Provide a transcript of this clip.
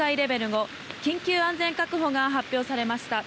５緊急安全確保が発表されました。